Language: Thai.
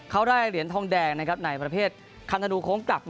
เขาได้เหรียญทองแดงในประเภทคันธนูโค้งกลับ